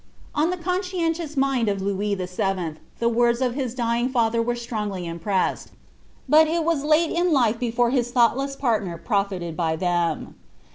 On the conscien tious mind of Louis VII. the words of his dying father were strongly impressed, but it was late in life before his thoughtless partner profited by them.